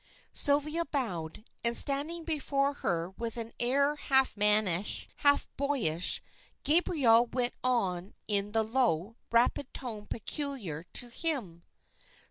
Sylvia bowed, and standing before her with an air half mannish, half boyish, Gabriel went on in the low, rapid tone peculiar to him.